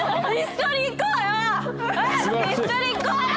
一緒に行こうよ！